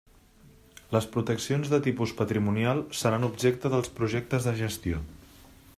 Les proteccions de tipus patrimonial seran objecte dels projectes de gestió.